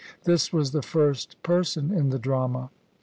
This was the first person in the drama.